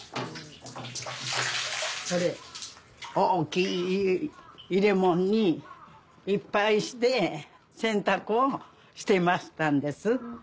これ大きい入れ物にいっぱいして洗濯をしてましたんです。